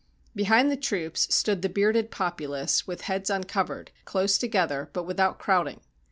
Behind the troops stood the bearded populace, with heads uncovered, close together, but without crowding.